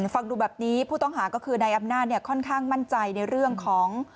ฟังดูแบบนี้ผู้ต้องหาก็คือนายอำนาจค่อนข้างมั่นใจในเรื่องของ